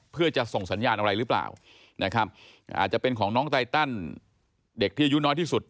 เพื่อจะส่งสัญญาณอะไรหรือเปล่านะครับอาจจะเป็นของน้องไตตันเด็กที่อายุน้อยที่สุด